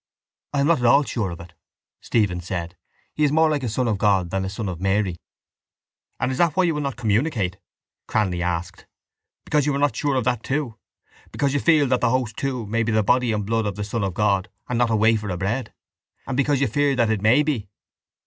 —I am not at all sure of it, Stephen said. He is more like a son of God than a son of Mary. —And is that why you will not communicate, Cranly asked, because you are not sure of that too, because you feel that the host, too, may be the body and blood of the son of God and not a wafer of bread? And because you fear that it may be?